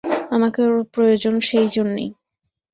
আমাকে ওর প্রয়োজন সেইজন্যেই।